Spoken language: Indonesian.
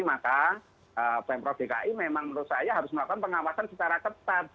maka pm prof dki memang menurut saya harus melakukan pengawasan secara ketat gitu loh